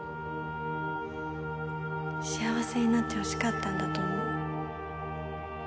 幸せになってほしかったんだと思う。